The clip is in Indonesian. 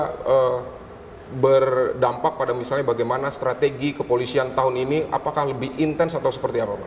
apakah berdampak pada misalnya bagaimana strategi kepolisian tahun ini apakah lebih intens atau seperti apa pak